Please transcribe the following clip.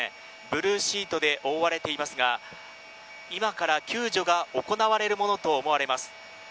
ブルーシートで覆われていますが今から救助が行われるものと思われます。